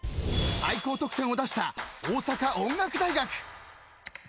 ［最高得点を出した大阪音楽大学］